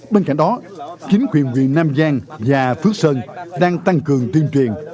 bên cạnh đó chính quyền huyện nam giang và phước sơn đang tăng cường tuyên truyền